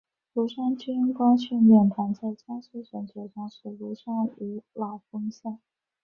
庐山军官训练团在江西省九江市庐山五老峰下。